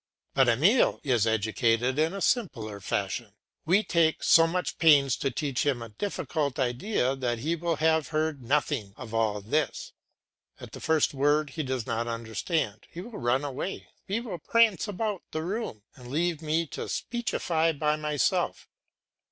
But Emile is educated in a simpler fashion. We take so much pains to teach him a difficult idea that he will have heard nothing of all this. At the first word he does not understand, he will run away, he will prance about the room, and leave me to speechify by myself.